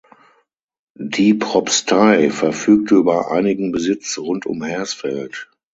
Die Propstei verfügte über einigen Besitz rund um Hersfeld.